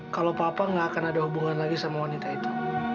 kalau papa nggak akan ada hubungan lagi sama wanita itu